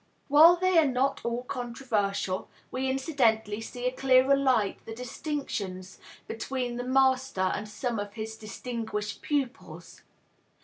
While they are not at all controversial, we incidentally see in a clearer light the distinctions between the master and some of his distinguished pupils.